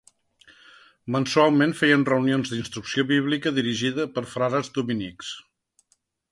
Mensualment feien reunions d'instrucció bíblica dirigides per frares dominics.